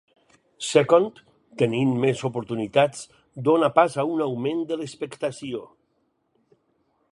Second, tenint més oportunitats dóna pas a un augment de l'expectació.